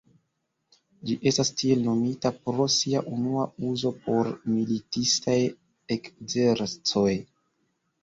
Ĝi estas tiel nomita pro sia unua uzo por militistaj ekzercoj.